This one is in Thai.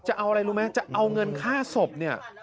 จะเอาอะไรรู้ไหมจะเอาเงินค่าศพเนี่ย